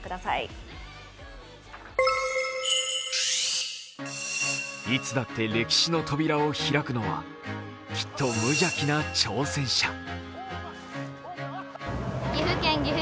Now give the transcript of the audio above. いつだって歴史の扉を開くのはきっと無邪気な挑戦者。